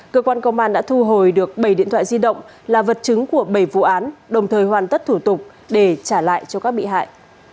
cơ quan công an đã thu hồi được bảy điện thoại di động là vật chứng của bảy vụ án đồng thời hoàn tất thủ tục để trả lại cho các bị hại